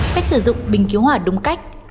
cách sử dụng bình cứu hỏa đúng cách